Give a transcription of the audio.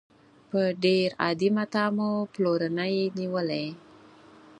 په ډېر عادي متاع مو پلورنې نېولې.